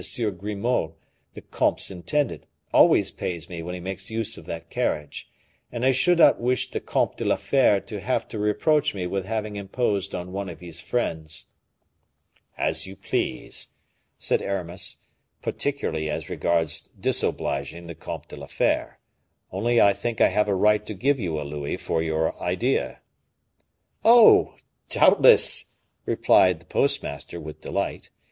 Grimaud, the comte's intendant, always pays me when he makes use of that carriage; and I should not wish the Comte de la Fere to have to reproach me with having imposed on one of his friends." "As you please," said Aramis, "particularly as regards disobliging the Comte de la Fere; only I think I have a right to give you a louis for your idea." "Oh! doubtless," replied the postmaster with delight.